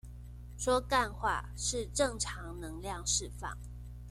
說幹話是正常能量釋放